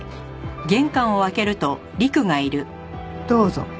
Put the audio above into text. どうぞ。